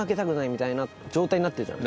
みたいな状態になってるじゃん。